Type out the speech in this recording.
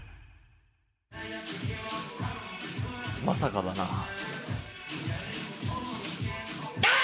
まさかだな。